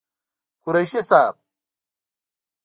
قريشي صاحب